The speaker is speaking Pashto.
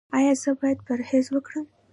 ایا زه باید پرهیز وکړم؟